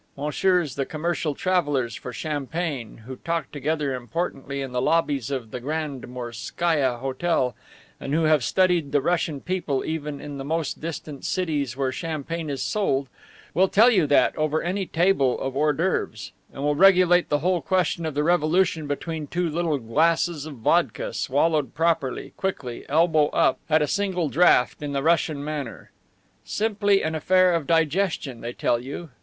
Messieurs the commercial travelers for champagne, who talk together importantly in the lobbies of the Grand Morskaia Hotel and who have studied the Russian people even in the most distant cities where champagne is sold, will tell you that over any table of hors d'oeuvres, and will regulate the whole question of the Revolution between two little glasses of vodka, swallowed properly, quickly, elbow up, at a single draught, in the Russian manner. Simply an affair of digestion, they tell you.